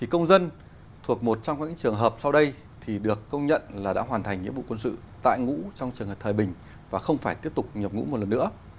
công dân thuộc một trong các trường hợp sau đây được công nhận là đã hoàn thành nhiệm vụ quân sự tại ngũ trong trường hợp thời bình và không phải tiếp tục nhập ngũ một lần nữa